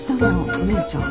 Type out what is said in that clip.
お姉ちゃん。